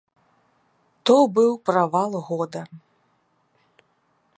То быў правал года.